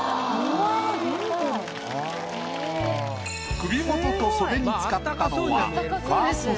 首元と袖に使ったのは。